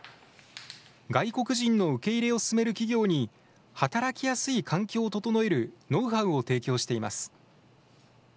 外国人の受け入れを進める企業に、働きやすい環境を整えるノウハウを提供しています。